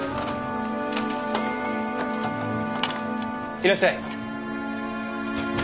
いらっしゃい。